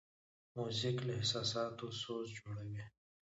موزیک له احساساتو سوز جوړوي.